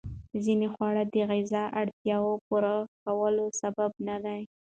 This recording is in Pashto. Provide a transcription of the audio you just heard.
ځینې خواړه د غذایي اړتیاوو پوره کولو سبب ندي.